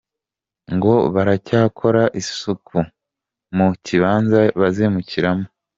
Ngo baracyakora isuku mu kibanza bazimukiramo.